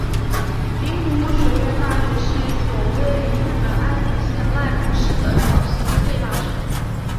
名古屋学院大学是一所位于日本爱知县濑户市的小型私立大学。